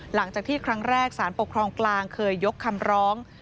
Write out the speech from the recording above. หลังจากที่ครั้งแรกสารปกครองกลางเคยยกคำร้อง